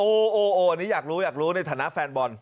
โอ้โหนี้อยากรู้ในฐานะแฟนบอล